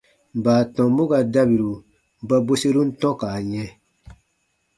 Baatɔmbu ka dabiru ba bweserun tɔ̃ka yɛ̃.